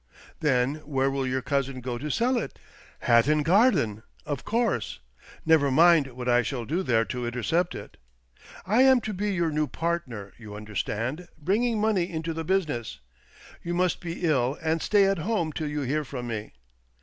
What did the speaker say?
Then where will your cousin go to sell it ? Hatton Garden, of course. Never mind what I shall do there to intercept it. I am to be your new partner, you understand, bringing money into the business. ■ You must be ill and stay at home till^you hear from me.